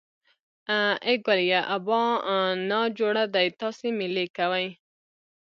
ای ګوليه ابا نا جوړه دی تاسې مېلې کوئ.